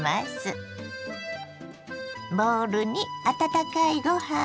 ボウルに温かいご飯